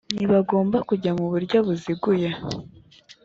ntibagomba kujya mu buryo buziguye